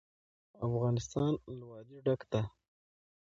افغانستان له وادي ډک دی.